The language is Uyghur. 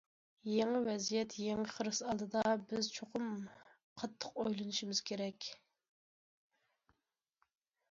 يېڭى ۋەزىيەت، يېڭى خىرىس ئالدىدا، بىز چوقۇم قاتتىق ئويلىنىشىمىز كېرەك.